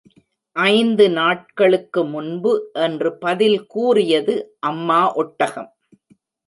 ஐந்து நாட்களுக்கு முன்பு என்று பதில் கூறியது அம்மா ஒட்டகம்.